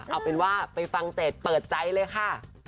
เอาเป็นว่าไปฟังเจดเปิดใจเลยค่ะ